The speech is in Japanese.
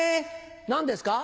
何ですか？